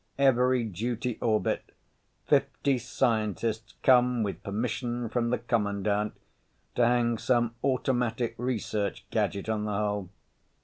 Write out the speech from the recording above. Every duty orbit, fifty scientists come with permission from the Commandant to hang some automatic research gadget on the hull.